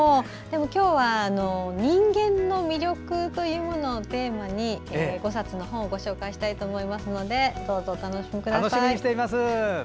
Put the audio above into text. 今日は人間の魅力というものをテーマに５冊の本をご紹介したいと思うのでどうぞ、お楽しみください。